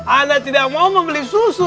anda tidak mau membeli susu